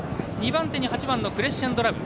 ２番手に８番のクレッシェンドラヴ。